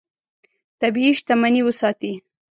طبیعي شتمنۍ وساتې.